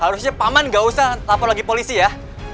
harusnya pak man nggak usah lapor lagi polisi ya